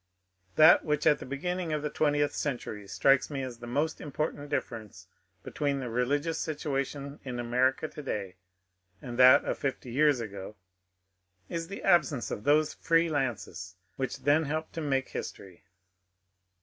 That which at the beginning of the twentieth century strikes me as the most important difference between the re ligious situation in America to day and that of fifty years ago is the absence of those free lances which then helped to make history.